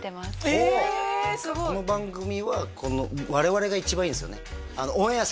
えすごいこの番組はこの我々が一番いいですよね